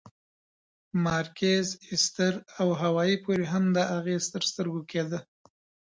مارکیز، ایستر او هاوایي پورې هم دا اغېز تر سترګو کېده.